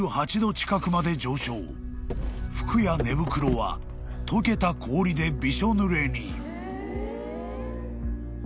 ［服や寝袋は解けた氷でびしょぬれに］